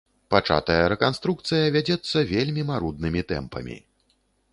Пачатая рэканструкцыя вядзецца вельмі маруднымі тэмпамі.